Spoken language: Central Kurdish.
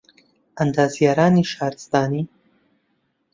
ئەندازیارانی شارستانی